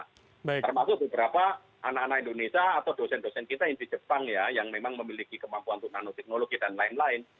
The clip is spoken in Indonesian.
termasuk beberapa anak anak indonesia atau dosen dosen kita yang di jepang ya yang memang memiliki kemampuan untuk nanoteknologi dan lain lain